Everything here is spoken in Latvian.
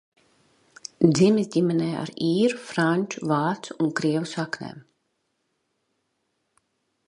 Dzimis ģimenē ar īru, franču, vācu un krievu saknēm.